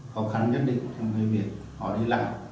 khó khăn nhất định trong cái việc họ đi làm